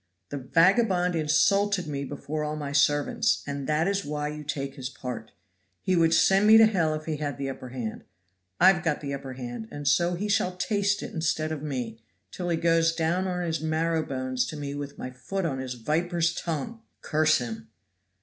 "The vagabond insulted me before all my servants, and that is why you take his part. He would send me to hell if he had the upper hand. I've got the upper hand, and so he shall taste it instead of me, till he goes down on his marrowbones to me with my foot on his viper's tongue. him!"